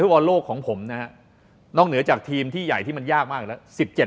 บอลโลกของผมนะฮะนอกเหนือจากทีมที่ใหญ่ที่มันยากมากแล้ว